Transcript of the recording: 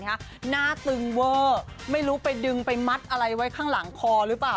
หน้าตึงเวอร์ไม่รู้ไปดึงไปมัดอะไรไว้ข้างหลังคอหรือเปล่า